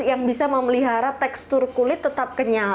yang bisa memelihara tekstur kulit tetap kenyal